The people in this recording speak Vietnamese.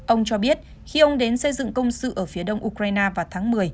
ông cho biết khi ông đến xây dựng công sự ở phía đông ukraine vào tháng một mươi